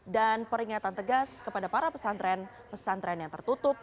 dan peringatan tegas kepada para pesantren pesantren yang tertutup